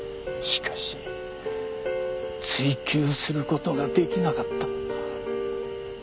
しかし追及する事が出来なかった。